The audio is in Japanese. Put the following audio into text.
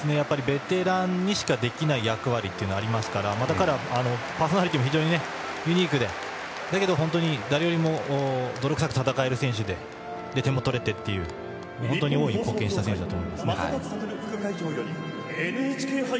ベテランにしかできない役割がありますからパーソナリティーも非常にユニークでだけど本当に誰よりも泥臭く戦える選手で点も取れてということで非常に大きく貢献した選手だと思います。